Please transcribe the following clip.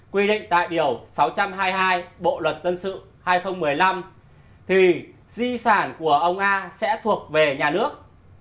quy định tại điều sáu trăm hai mươi hai bộ luật dân sự hai nghìn một mươi năm thì di sản của ông a sẽ thuộc về nhà nước